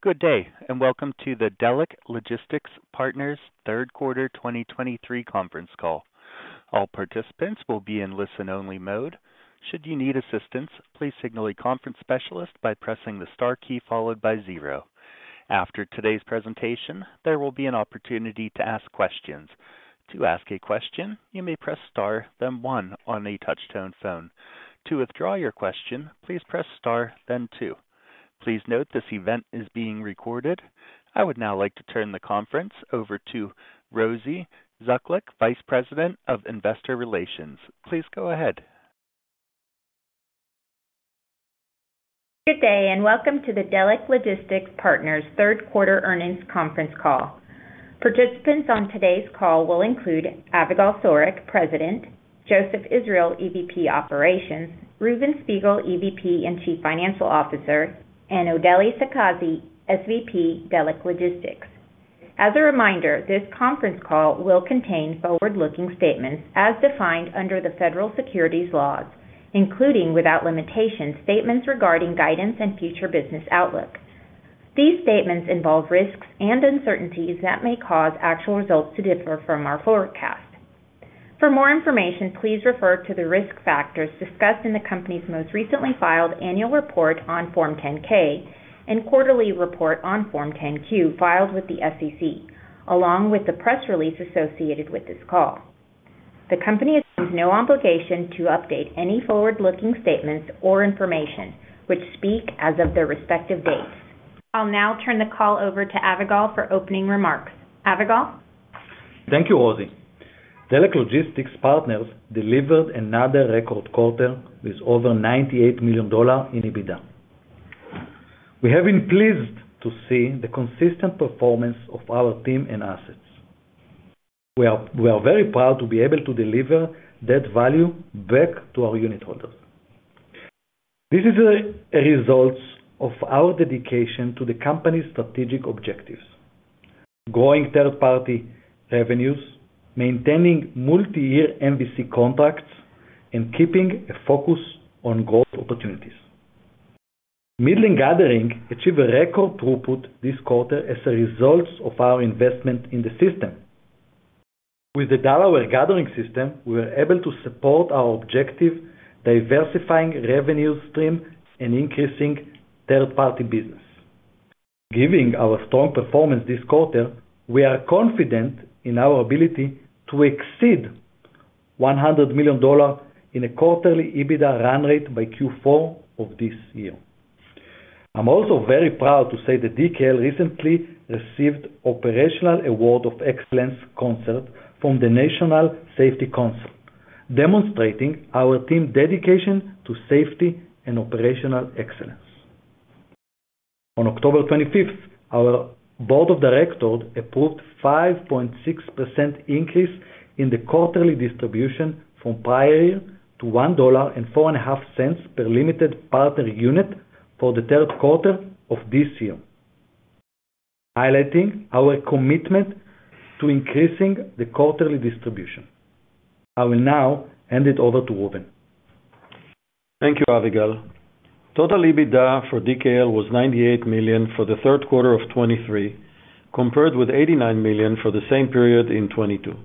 Good day, and welcome to the Delek Logistics Partners Q3 2023 Conference Call. All participants will be in listen-only mode. Should you need assistance, please signal a conference specialist by pressing the star key followed by zero. After today's presentation, there will be an opportunity to ask questions. To ask a question, you may press Star, then one on a touchtone phone. To withdraw your question, please press Star, then two. Please note this event is being recorded. I would now like to turn the conference over to Rosy Zuklic, Vice President of Investor Relations. Please go ahead. Good day, and welcome to the Delek Logistics Partners Q3 earnings conference call. Participants on today's call will include Avigal Soreq, President, Joseph Israel, EVP Operations, Reuven Spiegel, EVP and Chief Financial Officer, and Odelya Sakazi, SVP, Delek Logistics. As a reminder, this conference call will contain forward-looking statements as defined under the Federal Securities laws, including, without limitation, statements regarding guidance and future business outlook. These statements involve risks and uncertainties that may cause actual results to differ from our forecast. For more information, please refer to the risk factors discussed in the company's most recently filed annual report on Form 10-K and quarterly report on Form 10-Q, filed with the SEC, along with the press release associated with this call. The company assumes no obligation to update any forward-looking statements or information which speak as of their respective dates. I'll now turn the call over to Avigal for opening remarks. Avigal? Thank you, Rosy. Delek Logistics Partners delivered another record quarter with over $98 million in EBITDA. We have been pleased to see the consistent performance of our team and assets. We are very proud to be able to deliver that value back to our unitholders. This is a result of our dedication to the company's strategic objectives, growing third-party revenues, maintaining multi-year MVC contracts, and keeping a focus on growth opportunities. Midland Gathering achieved a record throughput this quarter as a result of our investment in the system. With the Delaware Gathering system, we were able to support our objective, diversifying revenue streams, and increasing third-party business. Given our strong performance this quarter, we are confident in our ability to exceed $100 million in a quarterly EBITDA run rate by Q4 of this year. I'm also very proud to say that DKL recently received the Operational Award of Excellence from the National Safety Council, demonstrating our team's dedication to safety and operational excellence. On October twenty-fifth, our board of directors approved 5.6% increase in the quarterly distribution from prior year to $1.045 per limited partner unit for the Q3 of this year, highlighting our commitment to increasing the quarterly distribution. I will now hand it over to Reuven. Thank you, Avigal. Total EBITDA for DKL was $98 million for the Q3 of 2023, compared with $89 million for the same period in 2022.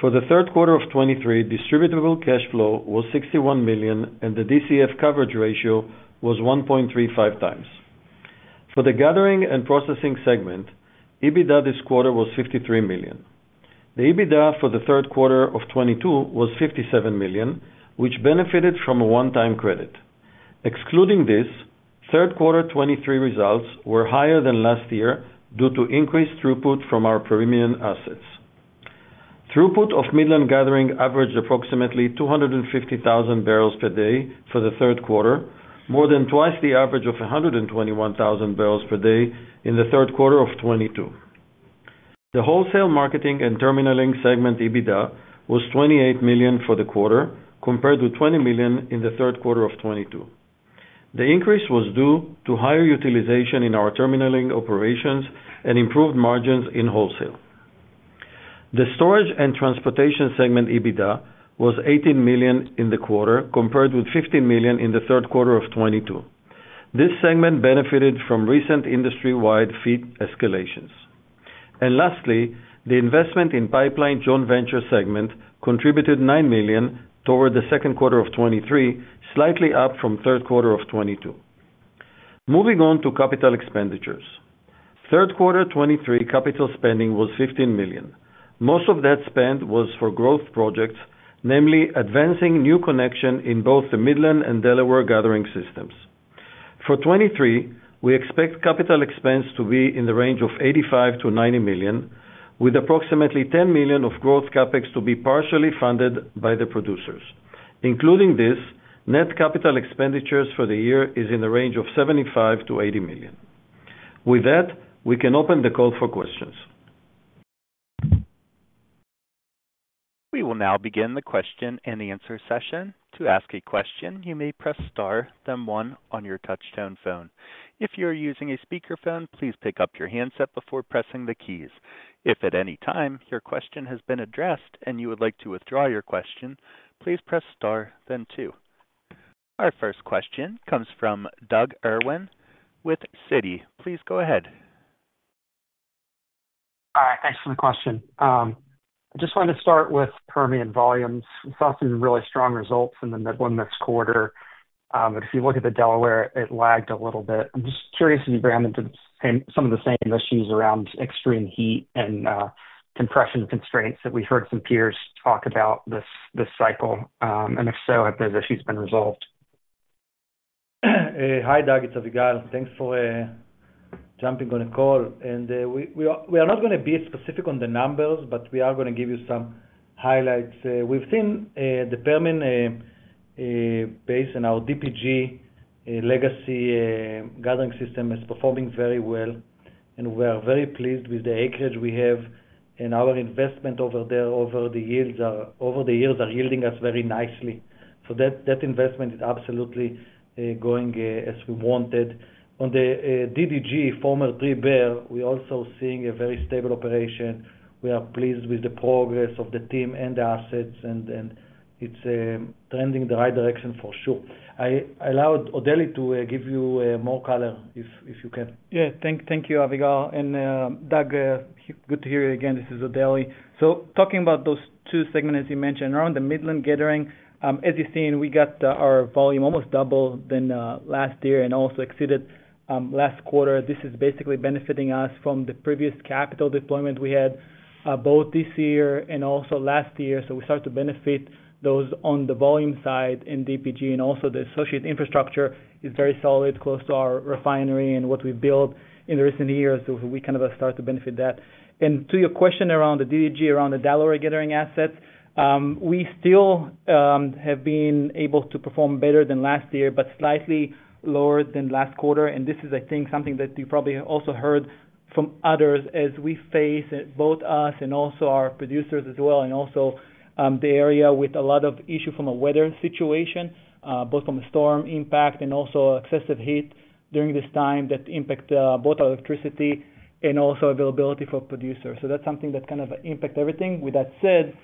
For the Q3 of 2023, distributable cash flow was $61 million, and the DCF coverage ratio was 1.35 times. For the gathering and processing segment, EBITDA this quarter was $53 million. The EBITDA for the Q3 of 2022 was $57 million, which benefited from a one-time credit. Excluding this, Q3 2023 results were higher than last year due to increased throughput from our Permian assets. Throughput of Midland Gathering averaged approximately 250,000 barrels per day for the Q3, more than twice the average of 121,000 barrels per day in the Q3 of 2022. The wholesale marketing and terminalling segment EBITDA was $28 million for the quarter, compared to $20 million in the Q3 of 2022. The increase was due to higher utilization in our terminalling operations and improved margins in wholesale. The storage and transportation segment EBITDA was $18 million in the quarter, compared with $15 million in the Q3 of 2022. This segment benefited from recent industry-wide fee escalations. Lastly, the investment in pipeline joint venture segment contributed $9 million toward the Q2 of 2023, slightly up from Q3 of 2022. Moving on to capital expenditures. Q3 2023 capital spending was $15 million. Most of that spend was for growth projects, namely advancing new connection in both the Midland and Delaware Gathering systems. For 2023, we expect capital expense to be in the range of $85-$90 million, with approximately $10 million of growth CapEx to be partially funded by the producers. Including this, net capital expenditures for the year is in the range of $75-$80 million. With that, we can open the call for questions. We will now begin the question-and-answer session. To ask a question, you may press Star, then one on your touchtone phone. If you are using a speakerphone, please pick up your handset before pressing the keys. If at any time your question has been addressed and you would like to withdraw your question, please press Star, then two. Our first question comes from Doug Irwin with Citi. Please go ahead. All right, thanks for the question. I just wanted to start with Permian volumes. We saw some really strong results in the Midland Basin quarter. But if you look at the Delaware, it lagged a little bit. I'm just curious if you ran into the same, some of the same issues around extreme heat and compression constraints that we heard some peers talk about this cycle, and if so, have those issues been resolved? Hi, Doug, it's Avigal. Thanks for jumping on the call. We are not going to be specific on the numbers, but we are going to give you some highlights. We've seen the Permian Basin in our DPG legacy gathering system is performing very well, and we are very pleased with the acreage we have. And our investment over there over the years are yielding us very nicely. So that investment is absolutely going as we wanted. On the DDG, former Three Bears, we're also seeing a very stable operation. We are pleased with the progress of the team and the assets, and it's trending the right direction for sure. I allow Odelya to give you more color if you can. Yeah, thank you, Avigal. And Doug, good to hear you again. This is Odelya. So talking about those two segments, as you mentioned, around the Midland Gathering, as you've seen, we got our volume almost double than last year and also exceeded last quarter. This is basically benefiting us from the previous capital deployment we had both this year and also last year. So we start to benefit those on the volume side in DPG, and also the associated infrastructure is very solid, close to our refinery and what we've built in the recent years. So we kind of start to benefit that. And to your question around the DDG, around the Delaware Gathering asset, we still have been able to perform better than last year, but slightly lower than last quarter. This is, I think, something that you probably have also heard from others as we face, both us and also our producers as well, and also, the area with a lot of issue from a weather situation, both from a storm impact and also excessive heat during this time, that impact, both our electricity and also availability for producers. So that's something that kind of impact everything. With that said-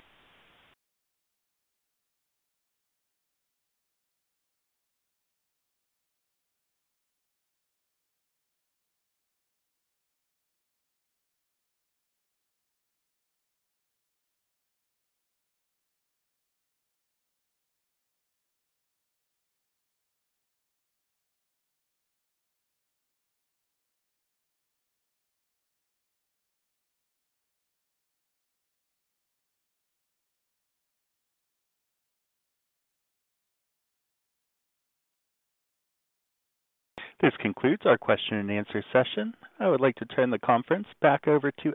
This concludes our question and answer session. I would like to turn the conference back over to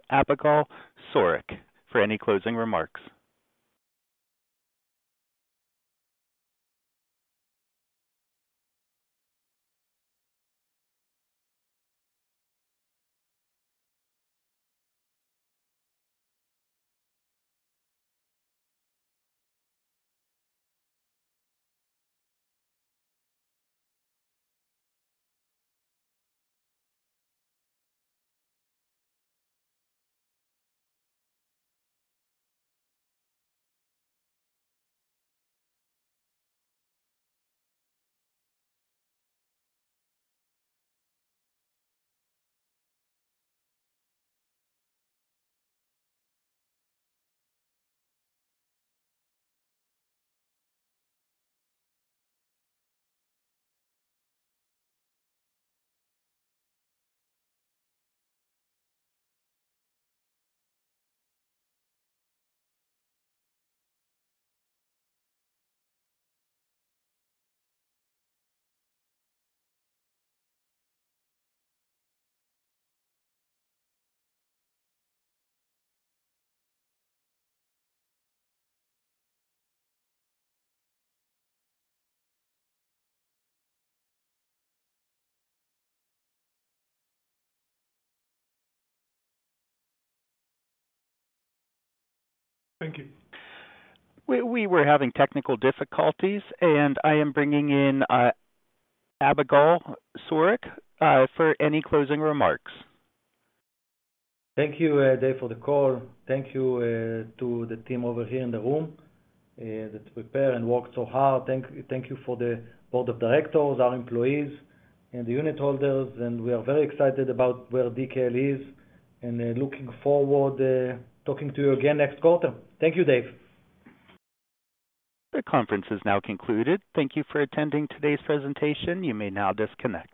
Avigal Soreq for any closing remarks. Thank you, Dave, for the call. Thank you to the team over here in the room that prepare and worked so hard. Thank you for the board of directors, our employees, and the unit holders, and we are very excited about where DKL is, and looking forward talking to you again next quarter. Thank you, Dave. The conference is now concluded. Thank you for attending today's presentation. You may now disconnect.